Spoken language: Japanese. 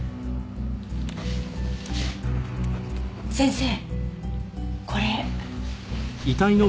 先生これ。